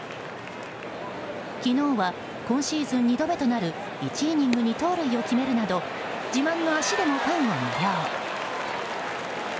昨日は今シーズン２度目となる１イニング２盗塁を決めるなど自慢の足でもファンを魅了。